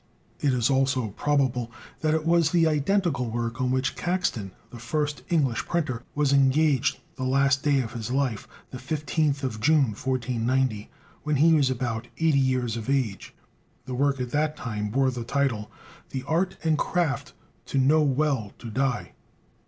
It is also probable that it was the identical work on which Caxton, the first English printer, was engaged the last day of his life, the 15th of June, 1490, when he was about eighty years of age. The work at that time bore the title "The Art and Craft to know well to Die."